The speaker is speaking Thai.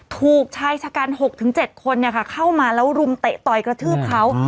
ถูกชายชะกัน๖๗คนเข้ามาแล้วรุมเตะต่อยกระทืบเขา